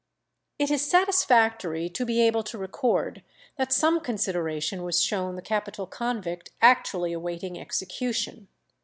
It is satisfactory to be able to record that some consideration was shown the capital convict actually awaiting execution.